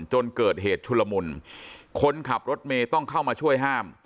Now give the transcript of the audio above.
จนเกิดเหตุชุลมุนคนขับรถเมย์ต้องเข้ามาช่วยห้าม